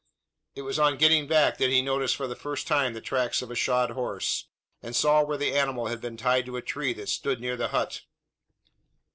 It was on getting back, that he noticed for the first time the tracks of a shod horse; and saw where the animal had been tied to a tree that stood near the hut.